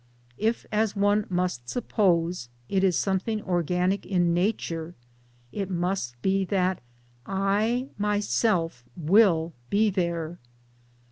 If, as one must suppose, it is something organic in Nature, it must be that I " myself " will be there.